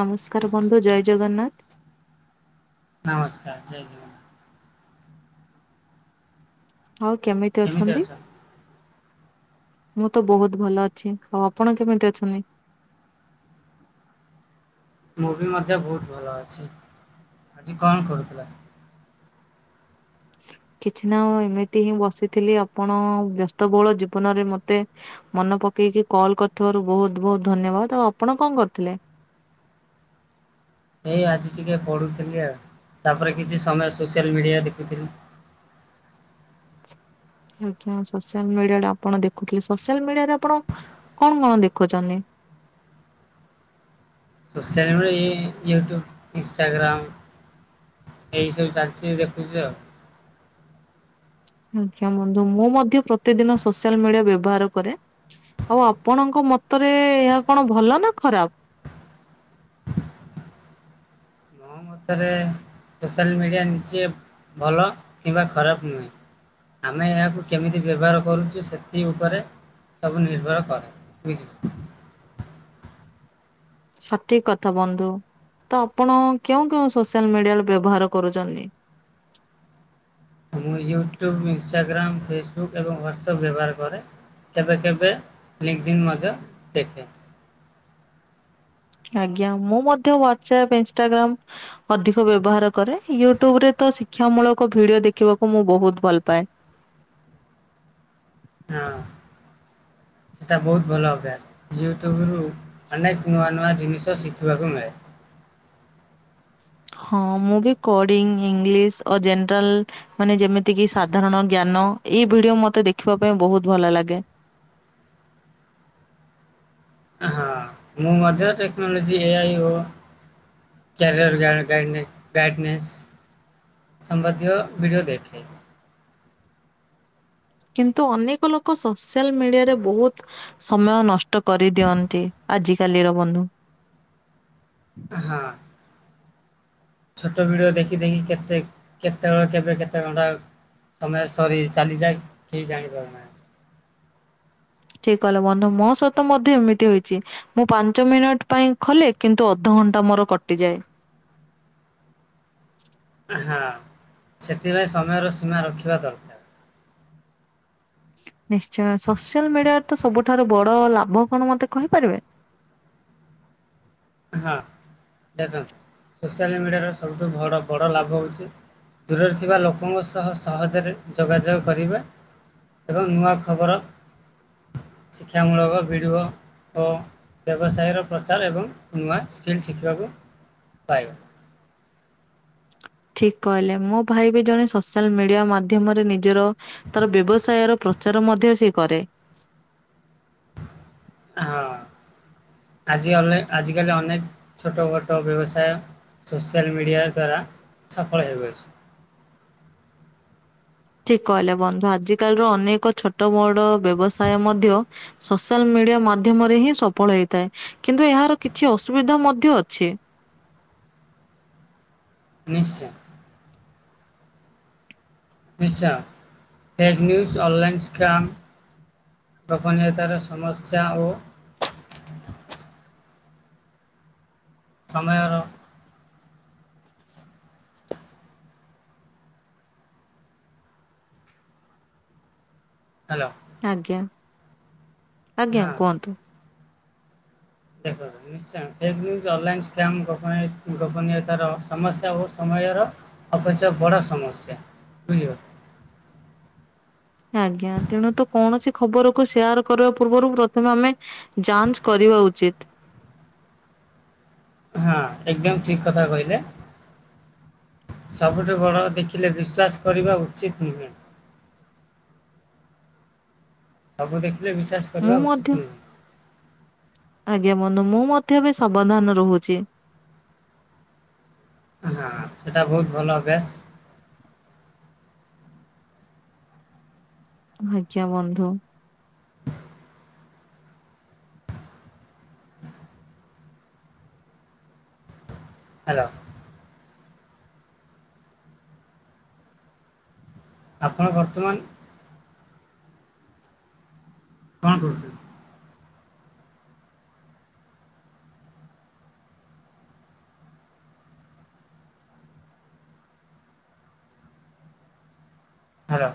ନମସ୍କାର ବନ୍ଧୁ ଜୟ ଜଗନ୍ନାଥ। ନମସ୍କାର ଜୟ ଜଗନା। ଆଉ କେମିତି ଅଛନ୍ତି? ମୁଁ ତ ବହୁତ୍ ଭଲ ଅଛି ଆଉ ଆପଣ କେମିତି ଅଛନ୍ତି? ମୁ ବି ମଧ୍ୟ ବହୁତ୍ ଭଲ ଅଛି ଆଜି କଣ କରୁଥିଲା? କିଛି ନା ଏମିତି ହିଁ ବସିଥିଲି ଆପଣ ବ୍ୟସ୍ତବହୁଳ ଜୀବନରେ ମତେ ମନେ ପକେଇକି କଲ୍ କରିଥିବାରୁ ବହୁତ୍ ବହୁତ୍ ଧନ୍ୟବାଦ ଆଉ ଆପଣ କଣ କରୁଥିଲେ? ଏଇ ଆଜି ଟିକେ ପଢୁଥିଲି ଆଉ ତାପରେ କିଛି ସମୟ ସୋସିଆଲ ମିଡିଆ ଦେଖୁଥିଲି। ଆଜ୍ଞା ସୋସିଆଲ୍ ମିଡିଆରେ ଆପଣ ଦେଖୁଥିଲେ ସୋସିଆଲ୍ ମିଡିଆରେ ଆପଣ କଣ କଣ ଦେଖୁଛନ୍ତି? ସୋସିଆଲ ମିଡ଼ିଆ ଏଇ ୟୁଟ୍ୟୁବ ଇନ୍ସଷ୍ଟାଗ୍ରମ୍। ଏଇ ସବୁ ଚାଲିଛି ଦେଖୁଛୁ ଆଉ। ଆଜ୍ଞା ବନ୍ଧୁ ମୁଁ ମଧ୍ୟ ପ୍ରତିଦିନ ସୋସିଆଲ ମିଡିଆ ବ୍ୟବହାର କରେ। ଆଉ ଆପଣଙ୍କ ମତରେ ଏହା କଣ ଭଲ ନା ଖରାପ? ଅ ମତରେ ସୋସିଆଲ୍ ମିଡ଼ିଆ ନିଜେ ଭଲ କିମ୍ବା ଖରାପ ନୁହେଁ। ଆମେ ଏହାକୁ କେମିତି ବ୍ୟବହାର କରୁଛୁ ସେଥି ଉପରେ ସବୁ ନିର୍ଭର କରେ ଉଇସ୍। ସଠିକ୍ କଥା ବନ୍ଧୁ ତ ଆପଣ କେଉଁ କେଉଁ ସୋସିଆଲ ମିଡିଆରେ ବ୍ୟବହାର କରୁଛନ୍ତି? ମୁଁ ୟୁଟ୍ୟୁବ ଇନ୍ ଷ୍ଟାଗ୍ରାମ ଫେସବୁକ୍ ଏବଂ ହ୍ୱାଟସପ୍ ବ୍ୟବହାର କରେ। କେବେ କେବେ ଫିଲ୍ମ [inaudible] ମଧ୍ୟ ଦେଖେ। ଆଜ୍ଞା ମୁଁ ମଧ୍ୟ ହ୍ଵାଟସଆପ୍ ଇନ୍ ଷ୍ଟାଗ୍ରମ୍ ଅଧିକ ବ୍ୟବହାର କରେ ୟୁଟ୍ୟୁବ୍ ରେ ତ ଶିକ୍ଷା ମୂଳକ ଭିଡିଓ ଦେଖିବାକୁ ମୁଁ ବହୁତ୍ ଭଲ ପାଏ। ହଁ ସେଟା ବହୁତ୍ ଭଲ ଅଭ୍ୟାସ ୟୁଟ୍ୟୁବ୍ ରୁ ଅନେକ ନୂଆ ନୂଆ ଜିନିଷ ଶିଖିବାକୁ ମିଳେ। ହଁ ମୁଁ ବି କଡିଙ୍ଗ୍ ଇଂଲିଶ୍ ଅଜେନେରାଲ ମାନେ ଯେମିତି କିି ସାଧାରଣ ଜ୍ଞାନ ଏଇ ଭିଡିଓ ମତେ ଦେଖିବା ପାଇଁ ବହୁତ୍ ଭଲ ଲାଗେ। ହଁ ମୁଁ ମଧ୍ୟ ଟେକ୍ନୋଲୋଜି ଏଆଇ ଓ ୍ୟାର ଗ ଗ ଗାଇସ୍ [inaudible] ସମ୍ବାଦୀୟ ଭିଡ଼ିଓ ଦେଖେ। କିନ୍ତୁ ଅନେକ ଲୋକ ସୋସିଆଲ୍ ମିଡିଆରେ ବହୁତ୍ ସମୟ ନଷ୍ଟ କରିଦିଅନ୍ତି ଆଜିକାଲିର ବନ୍ଧୁ। ହଁ। ଛୋଟ ଭିଡିଓ ଦେଖି ଦେଖି କେତେ କେତେବେଳେ କେବେ କେତେ ଘଣ୍ଟା ସମୟ ସରି ଚାଲିଯାଏ କେହି ଜାଣିପାରୁନାହିଁ। ଠିକ୍ କହିଲ ବନ୍ଧୁ ମୋ ସହିତ ମଧ୍ୟ ଏମିତି ହେଇଛି। ମୁଁ ପାଞ୍ଚ ମିନିଟ୍ ପାଇଁ ଖୋଲେ କିନ୍ତୁ ଅଧଘଣ୍ଟା ମୋର କଟିଯାଏ। ହଁ ସେଥିପାଇଁ ସମୟର ସୀମା ରଖିବା ଦରକାର। ନିଶ୍ଚୟ ସୋସିଆଲ୍ ମିଡିଆରେ ତ ସବୁଠାରୁ ବଡ ଲାଭ କଣ ମତେ କହିପାରିବେ? ହଁ ଦେଖନ୍ତ ସୋସିଆଲ ମିଡିଆର ସବୁଠୁ ବଡ଼ ବଡ ଲାଭ ହଉଛି ଦୂରରେ ଥିବା ଲୋକଙ୍କ ସହ ସହଜରେ ଯୋଗାଯୋଗ କରିବା। ଏବଂ ନୂଆ ଖବର ଶିକ୍ଷାମୂଳକ ଭିଡ଼ିଓ ଓ ବ୍ୟବସାୟର ପ୍ରଚାର ଏବଂ ନୂଆ ସ୍କିଲ୍ ଶିଖିବାକୁ ପାଇବ। ଠିକ କହିଲେ ମୋ ଭାଇ ବି ଜଣେ ସୋସିଆଲ ମିଡିଆ ମାଧ୍ୟମରେ ନିଜର ତାର ବ୍ୟବସାୟର ପ୍ରଚାର ମଧ୍ୟ ସେ କରେ। ହଁ ଆଜି ଅନେ ଆଜିିକାଲି ଅନେକ ଛୋଟ ମୋଟ ବ୍ୟବସାୟ ସୋସିଆଲ ମିଡ଼ିଆ ଦ୍ଵାରା ସଫଳ ହେଉଅଛି। ଠିକ୍ କହିଲ ବନ୍ଧୁ। ଆଜି କାଲିର ଅନେକ ଛୋଟ ବଡ ବ୍ୟବସାୟ ମଧ୍ୟ ସୋସିଆଲ ମିଡିଆ ମାଧ୍ୟମରେ ହିଁ ସଫଳ ହେଇଥାଏ। କିନ୍ତୁ ଏହାର କିଛି ଅସୁବିଧା ମଧ୍ୟ ଅଛି। ନିଶ୍ଚୟ। ନିଶ୍ଚୟ ଫେକ୍ ନ୍ୟୁଜ ଅନ୍ଲାଇନ୍ ସ୍କ୍ରାମ ଗୋପନୀୟତାର ସମସ୍ୟା ଓ ସମୟର ହ୍ୟାଲୋ। ଆଜ୍ଞା ଆଜ୍ଞା ହଁ କୁହନ୍ତୁ। ସେଭ୍ କରିଦେଲି। ନିଶ୍ଚୟ ଫେକ୍ ନ୍ୟୁଜ୍ ଅନଲାଇନ୍ ସ୍କା୍ମ୍ ଗୋପନୀୟ ଗୋପନୀୟତାର ସମସ୍ୟା ଓ ସମୟର ଅବଶ୍ୟ ବଡ଼ ସମସ୍ୟା, ବୁଝିଲ? ଆଜ୍ଞା ତେଣୁ ତ କୌଣସି ଖବରକୁୁ ସେୟାର କରିବା ପୂର୍ବରୁ ପ୍ରଥମେ ଆମେ ଯାଞ୍ଚ କରିବା ଉଚିତ୍। ହଁ ଏକଦମ ଠିକ କଥା କହିଲେ। ସବୁଠୁ ବଡ଼ ଦେଖିଲେ ବିଶ୍ୱାସ କରିବା ଉଚିତ ନୁହେଁ। ସବୁ ଦେଖିଲେ ବିଶ୍ୱାସ ମୁଁ କରିବା ମଧ୍ୟ ଉଚିତ୍ ନୁହେଁ। ଆଜ୍ଞା ବନ୍ଧୁ ମୁଁ ମଧ୍ୟ ବି ସାବଧାନ ରହୁଛି। ହଁ ସେଟା ବହୁତ ଭଲ ଅଭ୍ୟାସ। ଆଜ୍ଞା ବନ୍ଧୁ। ହ୍ୟାଲୋ। ଆପଣ ବର୍ତ୍ତମାନ କଣ କରୁଚନ୍ତି? ହାଲୋ।